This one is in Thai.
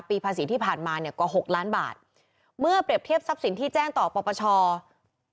ปีภาษีที่ผ่านมาเนี่ยกว่าหกล้านบาทเมื่อเปรียบเทียบทรัพย์สินที่แจ้งต่อปปช